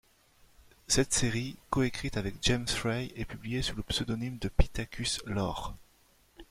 Cette série, coécrite avec James Frey, est publiée sous le pseudonyme de Pittacus Lore.